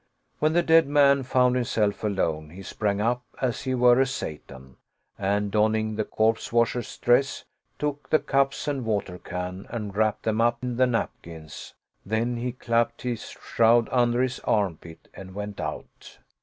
When the dead man found himself alone, he sprang up, as he were a Satan ; and, donning the corpse washer's dress, took the cups and water can and wrapped them up in the napkins ; then he clapped his shroud under his armpit and went out.